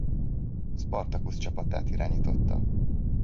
Spartacus csapatát irányította.